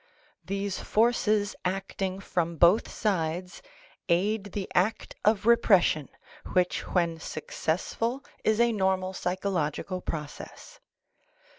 These forces acting from both sides aid the act of repression which when successful is a normal psychological process.